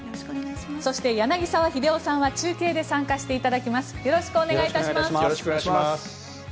そして、柳澤秀夫さんは中継で参加していただきます。